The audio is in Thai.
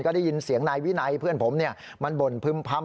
ก็ได้ยินเสียงนายวินัยเพื่อนผมมันบ่นพึ่มพำ